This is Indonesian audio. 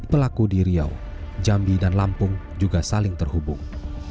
pelaku di riau jambi dan lampung juga saling terhubung